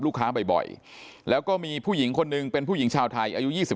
บ่อยแล้วก็มีผู้หญิงคนหนึ่งเป็นผู้หญิงชาวไทยอายุ๒๕